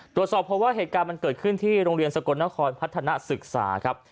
ตรวจสอบเพราะว่าเหตุการณ์มันเกิดขึ้นที่โรงเรียนสกลนครพัฒนศึกษาครับ